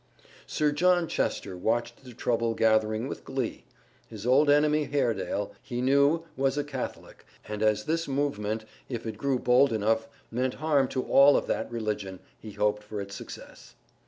Sir John Chester watched the trouble gathering with glee. His old enemy Haredale, he knew, was a Catholic, and as this movement, if it grew bold enough, meant harm to all of that religion, he hoped for its success.